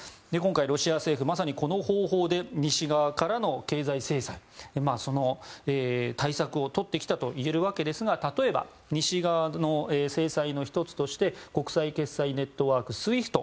今回、ロシア政府まさにこの方法で西側からの経済制裁のその対策をとってきたといえるわけですが例えば西側の制裁の１つとして国際決済ネットワーク・ＳＷＩＦＴ。